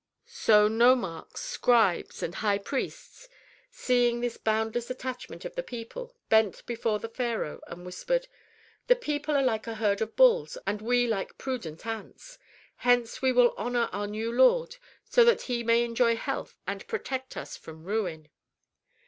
So, nomarchs, scribes, and high priests, seeing this boundless attachment of the people, bent before the pharaoh and whispered, "The people are like a herd of bulls, and we like prudent ants. Hence we will honor our new lord so that he may enjoy health and protect us from ruin."